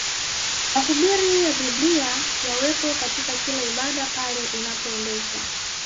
Mahubiri ya Biblia yawepo katika kila ibada pale inapoendeshwa